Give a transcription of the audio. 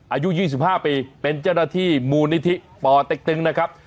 อายุ๒๕ปีเป็นเจ้าหน้าที่มูลนิธิปอเต็กตึงนะครับ